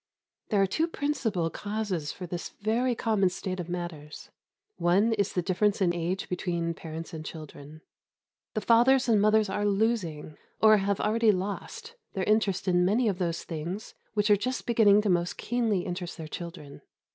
There are two principal causes for this very common state of matters. One is the difference in age between parents and children. The fathers and mothers are losing, or have already lost, their interest in many of those things which are just beginning to most keenly interest their children.